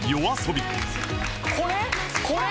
これ？